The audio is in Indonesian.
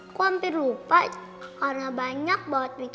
aku hampir lupa karena banyak banget mikirin mama